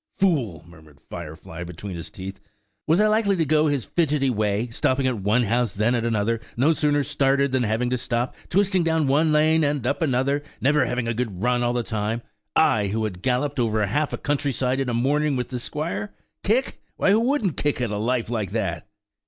"Fool!" murmured Firefly, between his teeth; "was I likely to go his fidgetty way–stopping at one house then at another; no sooner started than having to stop; twisted down one lane and up another, never having a good run all the time; I, who had galloped over half a country side in a morning with the squire? Kick? why who wouldn't kick at a life like that?"